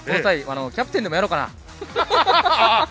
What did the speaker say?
キャプテンでもやろうかな？